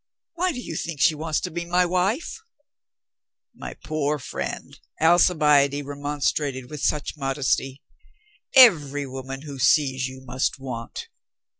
Why do you think she wants to be my wife?" "My poor friend!" Alclbiade remonstrated with such modesty. "Every woman who sees you must want."